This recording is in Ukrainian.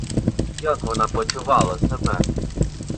Як вона почувала себе?